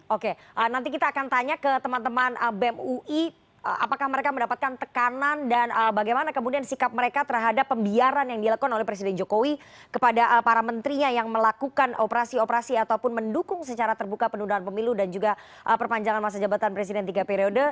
oke nanti kita akan tanya ke teman teman bem ui apakah mereka mendapatkan tekanan dan bagaimana kemudian sikap mereka terhadap pembiaran yang dilakukan oleh presiden jokowi kepada para menterinya yang melakukan operasi operasi ataupun mendukung secara terbuka penundaan pemilu dan juga perpanjangan masa jabatan presiden tiga periode